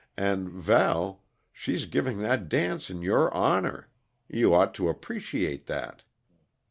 And, Val, she's giving that dance in your honor; you ought to appreciate that.